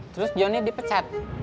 terus jonny dipecat